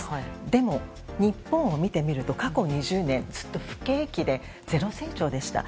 でも、日本を見てみると過去２０年ずっと不景気でゼロ成長でした。